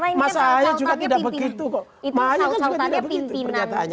itu saut sautannya pimpinan